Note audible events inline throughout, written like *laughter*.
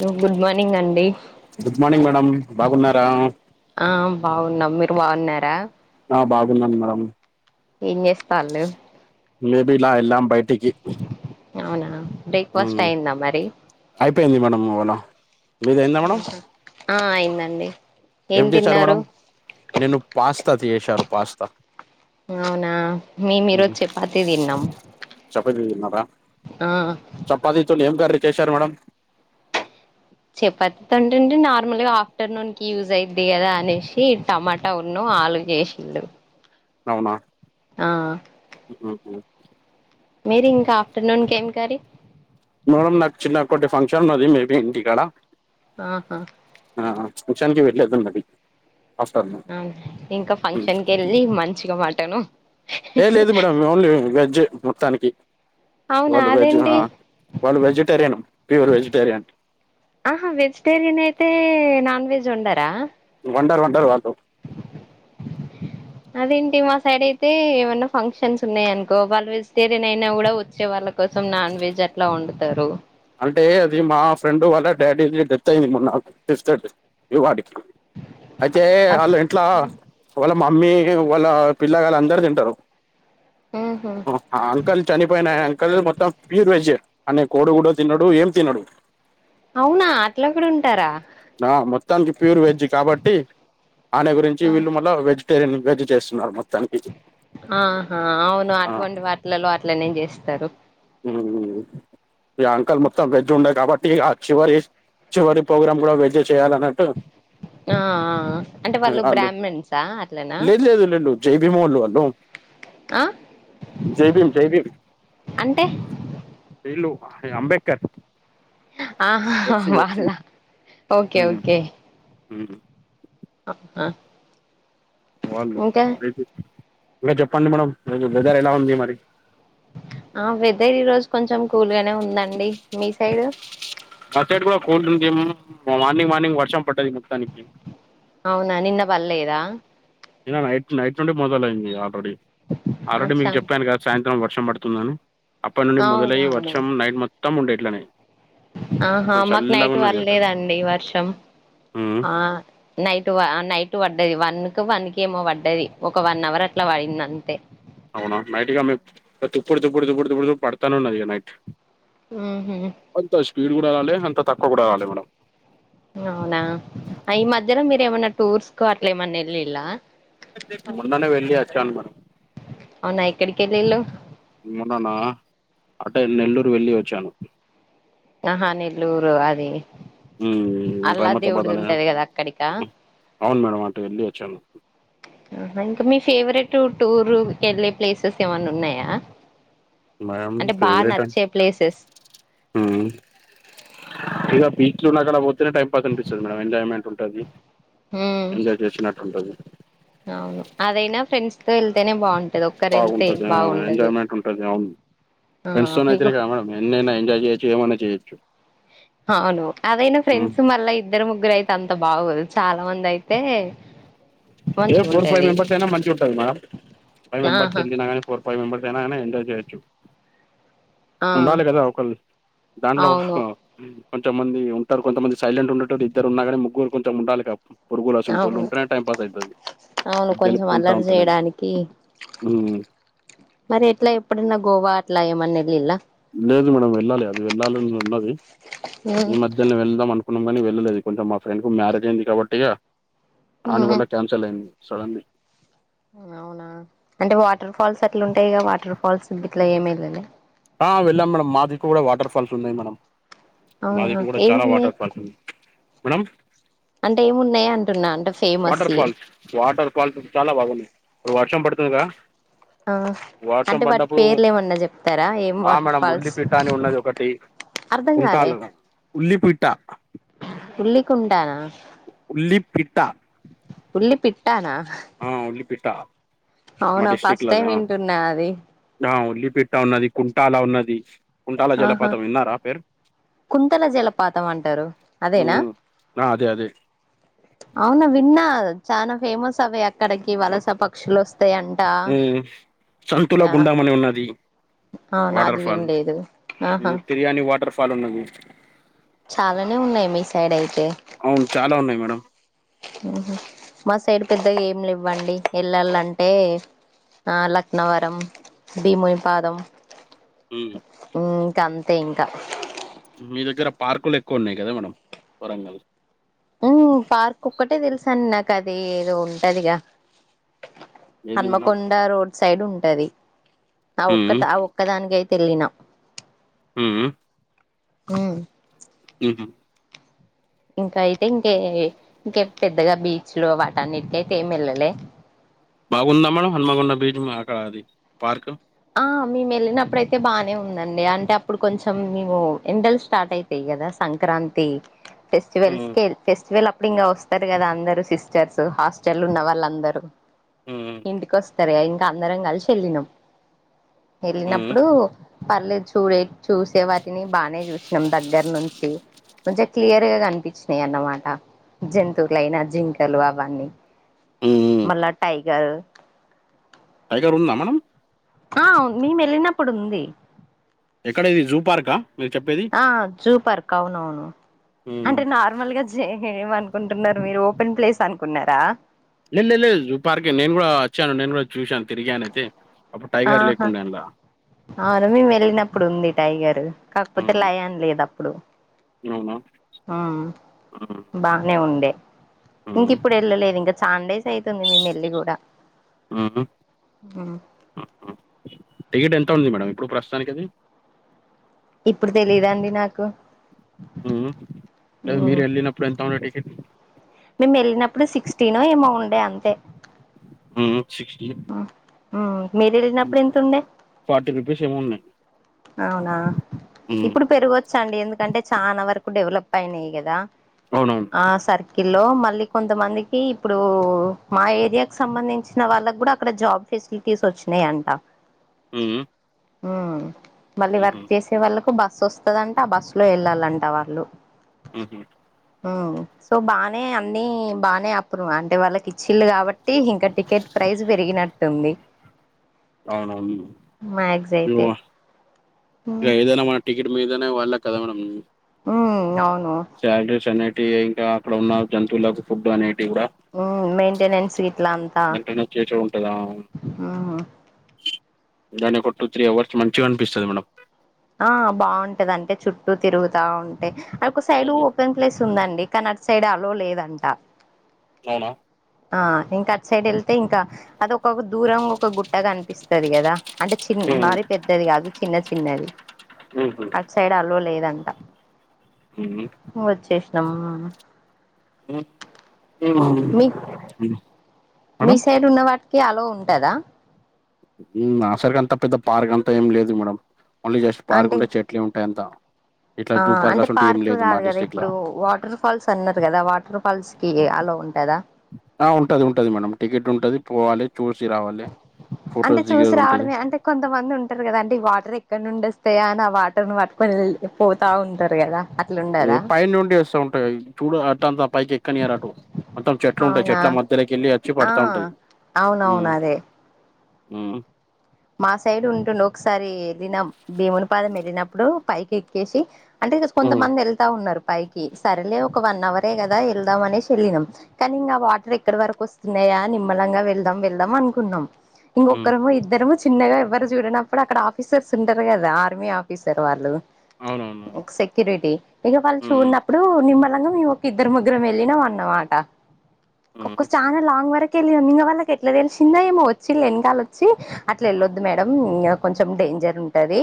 Hello good morning అండి good morning madam బాగున్నారా ఆ బాగున్నాం మీరు బాన్నారా ఆ బాగున్నాన్ మేడమ్ ఏం చేస్తాళ్లు లేబిలా ఎలాం బయ టికి అవునా బ్రేక్ఫాస్ట్ అయిందా మరి అయిపోయింది మేడమ్ ఇవాళ మీది అయిందా మేడం ఆహా ఆ అయిందండి ఏం చేసారు మేడం నేను పాస్తా తీనేసారు పాస్త అవునా మేము ఈరోజు చపాతి తిన్నాం ఆ చపాతీతోనీ ఏం కర్రీ చేశారు మేడం చెపతంటేండి నార్మల్గా ఆఫ్టర్నూన్ కి యూజ్ అయిది కదా అనేసి టమాటా ఉన్నూ ఆలు చేసిళ్ళు అవునా ఆ ఉహు మీరి ఇంకా ఆఫ్టర్నూన్ కి ఏం కర్రీ మేడమ్ నాకు చిన్న ఒకటి ఫంక్షన్ ఉన్నది మేబీ ఇంటిక్కడ ఆహా ఆ ఫంక్షన్ కి వెళ్ళేది ఉంది అవునే ఇంకా మ్మ్. ఫంక్షన్ కు వెళ్ళి మంచిగా మటను ఏ లేదు మేడమ్ ఓన్లీ వెజ్ మొత్తానికి అవునా వాళ్ళు వెజ్ అదేంటి ఆ వాళ్ళు వెజిటేరియన్ ప్యూర్ వెజిటేరియన్ ఆహా వెజిటేరియన్ అయితే నాన్ వెజ్ ఉండరా వండరు వండరు వాళ్లు ఉం అదేంటి మా సైడ్ అయితే ఏమైన్నా ఫంక్షన్స్ ఉన్నాయి అనుకో వాళ్ళ వెజిటేరియన్ అయినా కూడా వచ్చే వాళ్ళకి కోసం నాన్ వెజ్ అట్లా వండుతారు అంటే అది మా ఫ్రెండ్ వాళ్ళ డాడీ డెత్ అయింది మ నాకు ఫిఫ్త్ తటి ఇవ్వటికి అయితే వాళ్ళ ఇంట్లా వాళ్ళ మమ్మీ వాళ్ళ పిల్లగాళ్ళ అందరు తింటరు ఉహు ఆ అంకుల్ చనిపోయినా అంకుల్ మొత్తం ప్యూర్ వెజ్ ఐనా కోడి గుడ్డు తినడు ఏం తినడు అవునా అట్ల కూడా ఉంటారా మొత్తానికి ప్యూర్ వెజ్ కాబట్టి ఆయన గురించి ఆ వీళ్ళు మళ్ళ వెజ్ ఏ నివెద చేస్తున్నారమ్మ ఆహా అవును ఆ అటువంటి వాటిలలో అట్లనే చేస్తారు ఊ ఇగ అంకుల్ మొత్తం వెజ్ ఉండే కాబట్టి ఇగ చివరి చివరి ప్రోగ్రాం కూడా వెజ్ ఏ చేయాలన్నట్టు ఆ ఆ అంటే వాళ్ళు బ్రహ్మాన్సా అట్లనా లేదు లేదు ఎ ల్లిండు జై భీమొల్లు వాళ్ళు ఆ జైభీమ్ జైభీమ్ అంటే వీళ్ళు అంబేడ్కర్ ఆహ వాళ్ళా ఓకే ఓకే ఊ ఆహ వాళ్ళు ఇంకా చెప్పండి మేడమ్ ఈరోజు వెదర్ ఎలా ఉంది మరి ఆ వెదర్ ఈ రోజు కొంచెం కూల్గనే ఉందండి. మీ సైడ్? మా సైడ్ కూడా కూల్ వుంది మార్నింగ్ మార్నింగ్ వర్షం పడ్డది మొత్తానికి అవునా నిన్న పడలేదా నిన్న నైట్ నైట్ నుండి మొదలైంది ఆల్రెడీ ఆల్రెడీ అచ్చా మీకు చెప్పాను కద సాయంత్రం వర్షం పడుతుందని అప్పటి నుండి మొదలయ్యి అవునవును వర్షం నైట్ మొత్తం ఉండే ఇట్లనే ఆహా మొత్తం మాకు చల్లగా నైట్ ఉన్నది కదా పడ్లేదండి వర్షం ఆ నైటు ఆ నైటు పడ్డది వన్కి వన్కి ఏమో పడ్డది ఒక వన్ అవర్ అట్ల పడింది అంతే అవునా నైట్ ఇగ మీక్ తుప్పుడు తుప్పుడు తుప్పుడు తుప్పుడు తుప్పుడు పడతానే ఉన్నదిగ నైట్ ఉహు అంత స్పీడ్ కూడ రాలే అంత తక్కువ కూడా రాలే మేడమ్ అవునా ఈ మధ్యలో మీరు ఏమన్న టూర్స్కు అట్ల ఏమన్న ఎల్లిల్లా? మొన్ననే వెళ్ళి వచ్చాను మేడమ్ అవునా ఎక్కడికెళ్ళిళ్ళు మొన్ననా అటే నెల్లూరు వెళ్ళి వచ్చాను ఆహా నెల్లూరు అది హ్మ్ అల్లా రహమతాబాద్ దేవుడిది అనే ఉంటది కదా అక్కడికా అవును మేడమ్ అటు వెళ్ళి వచ్చాను ఇంకా మీ ఫేవరెట్ టూర్ కెళ్ళే ప్లేసెస్ ఏమన్న ఉన్నయా మేడం అంటే బాగా నచ్చే ప్లేసెస్ ఉమ్ ఇగ బీచ్లు ఉన్నకాడ పోతేనే టైంపాస్ అనిపిస్తది మేడం ఎంజాయ్మెంట్ ఉంటది ఉమ్ ఎంజాయ్ చేసినట్టు ఉంటది అవును అదైనా ఫ్రెండ్స్ తో వెళ్తేనే బాగు బాగుంటది ఆ ఎంజాయ్మెంట్ ఉంటది అవును ఆ ఫ్రెండ్స్ తో ఇగో అయితేనే కద మేడమ్ ఎన్నైనా ఎంజాయ్ చేయచ్చు ఏమన్న చేయచ్చు అవును అదయినా ఫ్రెండ్స్ మళ్ళ ఇద్దరు ముగ్గురు అయితే అంత బాగోదు చాలా మంది అయితే ఏ మంచిగా ఫోర్ ఫైవ్ ఉంటది మెంబర్స్ అయినా మంచిగుంటది మేడమ్ ఫైవ్ మెంబర్స్ ఆహా ఎళ్లిన కానీ ఫోర్ ఫైవ్ మెంబర్స్ అయినా కానీ ఎంజాయ్ చేయొచ్చు ఆ ఉండాలి కదా ఒకళ్ళు దాంట్లో కూడా అవును కొంచంమంది ఉంటరు కొంతమంది సైలెంట్ ఉండేటోడు ఇద్దరు ఉన్నా కానీ ముగ్గురు కొంచెం ఉండాలిగా పురుగులు అసంటోళ్లు అవును ఉంటనే టైమ్ పాస్ అయితది అవును కొంచెం గెలుపుకుంటా అల్లరి ఉంటేనే చేయడానికి హ్మ్. మరి ఎట్ల ఎప్పుడన్న గోవా అట్ల ఏమన్న వెళ్ళిల్లా లేదు మేడమ్ వెళ్ళాలి అది వెళ్ళాలి అని ఉన్నది ఈ మధ్యలనే వెళ్దాం అనుకున్నాం కాని వెళ్ళలేదు కొంచం మా ఫ్రెండ్కు మ్యారేజ్ అయింది కాబట్టిగ వానివల్ల కాన్ సలైంది సడన్లీ అవునా అంటే వాటర్ ఫాల్స్ అట్ల ఉంటాయి గా వాటర్ ఫాల్స్ గిట్లా ఏం ఎల్లలే ఆ వెళ్ళాం మేడమ్ మా దిక్కు కూడ వాటర్ ఫాల్స్ ఉన్నయి మేడమ్ అవునా మాదిక్కు కూడ చాలా ఏమున్నాయి వాటర్ ఫాల్స్ ఉన్నయి మేడమ్ అంటే ఏం ఉన్నయి అంటున్నా అంటే ఫేమస్యి ఫాల్స్, వాటర్ క్వాలిటీ చాలా బాగుంది ఇప్పుడు వర్షం పడుతుందిగా ఆ వర్షం అంటే వాటి పడ్డప్పుడు పేర్లు ఏమన్న ఆ మేడమ్ ఉల్లిపిట్ట అని ఉన్నది ఒకటి అర్ధం ఉల్లిపిట్ట ఉల్లి కుండ నా ఉల్లిపీట్టా ఉల్లి పిట్టనా ఆ ఉళ్లి పిట్టా అవునా ఫస్ట్ టైమ్ వింటున్నా అది ఆ ఉల్లిపిట్ట ఉన్నది కుంటాల ఉన్నది కుంటాల ఆహా జలపాతం విన్నారా మీరు కుంతల జలపాతం అంటారు అదేనా హ్మ్ ఆ అదే అదే అవునా విన్నా చాలా ఫేమస్ అవి అక్కడికి వలస పక్షులు వస్తయంట ఉమ్ సంతులో గుండామే అని ఉన్నది అవునా వాటర్ అది ఫాల్ వినలేదు ఆహా తిర్యాని వాటర్ ఫాల్ ఉన్నది చాలానే ఉన్నాయి మీ సైడ్ అయితే అవును చాలా ఉన్నాయి మేడం మా సైడ్ పెద్దగా ఏం లేవు అండి వెళ్లాలంటే ఆ లక్నవరం భీములపాదం ఊ ఊ ఇంక అంతే ఇంక మీ దగ్గర పార్కులేక్కువున్నాయి కద మేడం వరంగల్ ఊ పార్క్ ఒక్కటే తెలుసాండీ నాకు అది ఏదో ఉంటాదిగా ఏది మేడం హన్మకొండ రోడ్ సైడ్ ఉంటది ఆ హ్మ్ ఒక్కటి ఆ ఒ ఒక్క దానికైతే ఎళ్లిన ఊ ఉహు ఇంకయితే ఇంకే ఇంక పెద్దగా బీచ్ లు వాటనిటికైతే ఏం ఎల్లలే బాగుందా మేడం హన్మగొండ బీచ్ అక్కడ అది పార్క్ ఆ మేము వెళ్ళినప్పుడయితే బానే ఉందండి అంటే అప్పుడు కొంచెం మేము ఎండలు స్టార్ట్ అయి తాయి కదా సంక్రాంతి ఫెస్టివల్స్ హ్మ్ కి ఫెస్టివల్ అప్ అప్పుడింగ వస్తారు కదా అందరు సిస్టర్స్ హాస్టల్ లో ఉన్న వాళ్ళు అందరు హ్మ్ ఇంటికోస్ సరే ఇంక అందరం కలిసి ఏళ్ళినాం హ్మ్ ఏళ్ళినప్పుడు పర్లేదు చూడే చూసే వాటిని బానే చూసినాం దగ్గర నుంచి మంచిగా క్లియర్ గా కనిపించినాయన్నమాట జంతువులైనా జింకలు అవన్నీ హ్మ్ మళ్ళా టైగర్ టైగర్ ఉందా మనం ఆ మేమేళ్ళినప్పుడుంది ఎక్కడిది జూపార్క్ ఆ ఆ జూ పార్క్ అవునవును హ్మ్ అంటే నార్ నార్మల్ గా జే ఏమనుకుంటున్నారు మీరు ఓపెన్ ప్లేస్ అనుకున్నరా లేదు లే లేదు జూ పార్క్ నేను కూడా వచ్చాను నేను కూడా చూశాను తిరిగాను అయితే అప్పుడు టైగర్ ఆహా లేకుండా ఎల్లా అవును మేము ఏళ్ళినప్పుడు ఉంది టైగర్ కాకపోతే హ్మ్ లయన్ లేదప్పుడు అవునా హ్మ్ బానే ఉండే హ్మ్ ఇంకిప్పుడు ఏళ్ళలేదు ఇంకా చాండేస్ అయితుంది మేము ఏల్లి కూడా మ్మ్ ఆ టికెట్ ఎంత ఉంది మేడం ఇప్పుడు ప్రస్తుతానికది ఇప్పుడు తేలిదండి నాకు ఊ లేదు మ్మ్ మీరు ఏళ్ళినప్పుడు ఎంత ఉండే టికెట్ మేమేళ్ళినప్పుడు సిక్స్టీ నో ఏమో ఉండే అంతే ఊ సిక్స్టీ ఆ మీరేళ్ళినప్పుడేంతుండే ఫార్టీ రూపీస్ ఏమో ఉన్నాయ్ అవునా ఇప్పుడు పెరగొచ్చండి ఎందుకంటే చానా వరకు డెవలప్ అయినయ్యి కదా అవునవును ఆ సర్కిల్ లో మళ్ళీ కొంతమందికి ఇప్పుడు మా ఏరియాకి సంబంధించిన వాళ్ళకి కూడా అక్కడ జాబ్ ఫెసిలిటీస్ వచ్చినయంట ఊ ఊ మళ్ళీ వర్క్ చేసే వాళ్ళకు బస్ వస్తదంట ఆ బస్సు లో ఏళ్ళాలంట వాళ్ళు ఉహు ఊ సో బానే అన్ని బానే అప్పుడు అంటే వాళ్ళకి ఇచ్చిళ్ళు కాబట్టి ఇంక టికెట్ ప్రైజ్ పెరిగినట్టుంది అవునవును మ్యాగ్స్ అయితే నువ్వా ఇక ఏదైనా మాట్ టికెట్ మీదనే వాళ్ళ కదా మేడం ఊ అవునూ సాలరీస్ అనేటీ ఇంకా అక్కడ ఉన్న జంతువులకు ఫుడ్ అనేటి కూడా ఊ మెయిన్టెనెన్స్ ఇట్లా అంతా చేచే ఉంటదా అవునూ దానికి ఒక టూ త్రీ అవర్స్ మంచిగా అనిపిస్తది మేడం ఆ బాగుంటది అంటే చుట్టూ తిరుగుతా ఉంటయ్ ఒక సైడ్ మ్మ్. ఓపెన్ ప్లేస్ ఉందండి కానీ అటు సైడ్ అలో లేదంట అవునా ఆ ఇంకా అట్ సైడ్ వెళ్తే ఇంకా అదో ఒక దూరం ఒక గుట్ట కనిపిస్తది కదా అంటే చిన్ మ్మ్ మరీ పెద్దది కాదు చిన్న చిన్నది ఊహు సైడు అలో లేదంట *inaudible* వచ్చేసినం మనము ఊ మి మామతో మీ తెప్పిచ్చుకున్న మీ సైడ్ ఉన్న వాటికి అలో ఉంటదా ఊ ఆ సరికి అంత పెద్ద పార్క్ అంతా ఏం లేదు మేడమ్ ఓన్లీ జస్ట్ పార్క్ అంటే ఉంటే చెట్లే ఉంటయ్ అంత ఆ అంటే పార్క్ కాదు కదా లా ఇప్పుడూ వాటర్ ఫాల్స్ అన్నారు కదా వాటర్ ఫాల్స్ కి అలో ఉంటదా ఆ ఉంటది ఉంటది మేడమ్ టికెట్టు ఉంటది పోవాలి చూసి రావాలి అంటే ఫొటోస్ చూసి దిగేది ఉంటది రావడమే అంటే కొంతమంది ఉంటరు కదా అంటే ఈ వాటర్ ఎక్కడ నుండి వస్తయా అని ఆ వాటర్ను పట్టుకొ కొన్ని పోతా ఉంటరు కదా అట్లుండదా ఎక్కడ నుండి వస్సా ఉంటయ్ చూడు అట్ట అంతా పైకి ఎక్కనియరు అటు మొత్తం చెట్లు ఉంటయ్ అవునా చెట్ల మధ్యలేకి వెళ్ళి వచ్చి ఆ పడతా ఉంటయ్ ఊ అవునవును అదే ఊ మా సైడు ఉంటుండు ఒకసారీ వెళ్ళినాం భీముని పాదం వెళ్ళినప్పుడూ పైకి ఎక్కేసి అంటే ఈరోజు ఉమ్ కొంతమంది వెళ్తా ఉన్నరు పైకి సర్లే ఒక వన్ అవరే కదా వెళ్దాం అనేసి వెళ్ళినాం కానీ ఇంగా వాటర్ ఎక్కడి వరకు వస్తున్నాయా నిమ్మలంగా వెళ్దాం వెళ్దాం అనుకున్నాం ఉమ్ ఇంగొకర్రము ఇద్దరము చిన్నగా ఎవరు చూడనప్పుడు అక్కడ ఆఫీసర్స్ ఉంటరు కదా ఆర్మీ ఆఫీసర్ వాళ్ళు అవునవును ఒక సెక్యూరిటీ ఇక వాళ్ళు ఉమ్ చూన్నప్పుడూ నిమ్మ లంగ మేము ఒక ఇద్దరు ముగ్గరం వెళ్ళినాం అన్నమాట ఒక్క ఉమ్ చాన లాంగ్ వరకు కెళ్ళినం ఇంగ వాళ్ళకి ఎట్ల తెలిసిందో ఏమో వచ్చిల్ వెనకాల వచ్చి అట్ల ఉమ్ వెళ్ళొద్దు మేడం కొంచెం డేంజర్ ఉంటదీ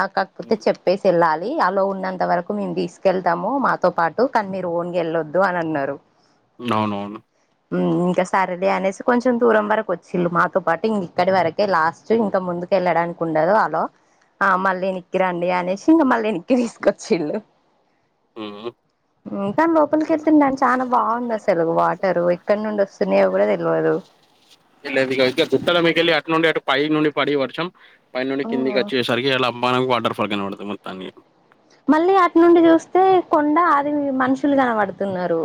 ఆ కాకపోతే ఉమ్ చెప్పేసి వెళ్ళాలి దీ అలో ఉన్నంత వరకు మేము తీసుకెళ్తాము మాతో పాటు కానీ మీరు ఓన్గా వెళ్ళొద్దు అని అన్నారు *unintelligible* ఊ నవునవును ఊ ఇంక సరేలే అనేసి కొంచెం దూరం వరకు వచ్చిళ్ళు మాతో పాటి ఇంక ఇక్కడి వరక్ కే లాస్టు ఇంక ముందుకు వెళ్ళడానికి ఉండదు అలో ఆ మళ్ళీ ఎనిక్కి రాండి అనేసి ఇంక మళ్ళీ ఎనిక్కి తీసుకొచ్చిళ్ళు ఉమ్ *unintelligible* లోనికెల్తున్ డ్యాం చాన బాగుంది అసలు వాటరు ఎక్కడ నుండి వస్తున్నయో కూడ తెలవదు ఇల్ల ఇదిగా ఇగ గుట్టల మీదికెళ్ళి అటు నుండి అటు పై నుండి పడి వర్షం పైనుండి కిందికి వచ్చే సరికి అలా మనకు వాటర్ఫాల్ గా కనపడతది మొత్తానికి. మళ్ళీ అటునుండి చూస్తే కొండ అది మనుషులు కనబడ తున్నారు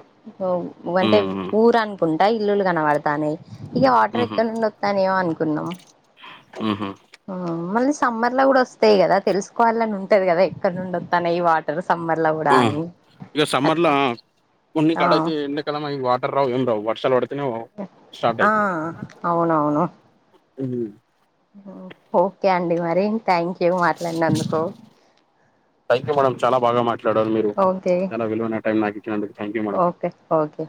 ఉ అంటే ఉమ్ ఊరు అనుకుంటా ఇల్లులు కనబడుతాన్నాయి. ఇక వాటర్ ఉహు ఎక్కడినుండి వత్తాన్నాయో అనుకున్నాం. ఉహు ఊ మళ్ళీ సమ్మర్ లో కూడా వస్తాయి కదా! తెలుసుకోవల్లని ఉంటది కదా, ఎక్కడ నుండి వత్తాన్నాయి ఈ వాట్ ఏదో సమ్మర్ లవ్ ఆ ఇక సమ్మర్ ల కొన్ని ఆ కాడ అయితే ఎండాకాలం అయి వాటర్ రావు ఏమి రావు వర్షాలు పడ తినవ్ స్టార్ట్ ఆ అయితయి అవునవును మ్ ఓకే అండి మరి థ్యాంక్ యూ మాట్లాడినందుకు థ్యాంక్ యూ మేడం చాన బాగా మాట్లాడారు మీరు ఓకే చాలా విలువైన టైం నాకు ఇచ్చినందుకు థాంక్యూ మేడం ఓకె